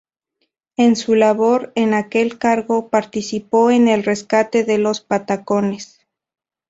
En su labor en aquel cargo, participó en el rescate de los Patacones.